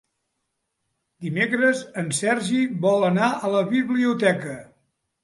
Dimecres en Sergi vol anar a la biblioteca.